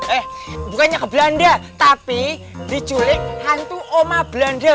eh bukannya ke belanda tapi diculik hantu oma belanda